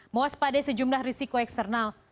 mawas pada sejumlah risiko eksternal